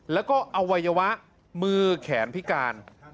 แล้วก็อวัยวะมือแขนพิการ